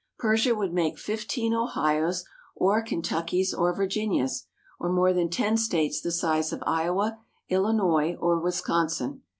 Persia would make fifteen Ohios or Ken tuckys or Virginias, or more than ten states the size of Iowa, Illinois, or Wisconsin.